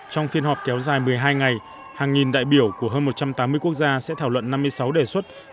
trong phiên họp kéo dài một mươi hai ngày hàng nghìn đại biểu của hơn một trăm tám mươi quốc gia sẽ thảo luận năm mươi sáu đề xuất